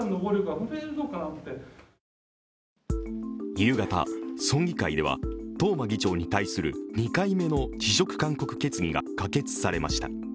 夕方、村議会では、東間議長に対する２回目の辞職勧告決議が可決されました。